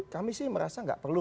kami sih merasa nggak perlu